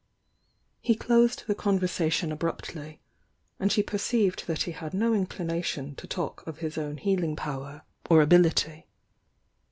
He closed the conversation abruptly, and she per ceived that he had no inclination to talk of his own healing power or ability.